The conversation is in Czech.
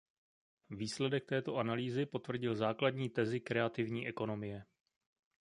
Výsledek této analýzy potvrdil základní tezi kreativní ekonomie.